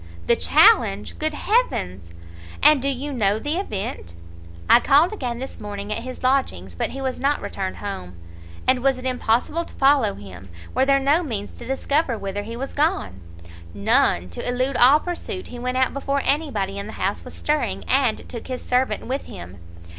"The challenge! good heaven! and do you know the event?" "I called again this morning at his lodgings, but he was not returned home." "And was it impossible to follow him? Were there no means to discover whither he was gone?" "None; to elude all pursuit, he went out before any body in the house was stirring, and took his servant with him."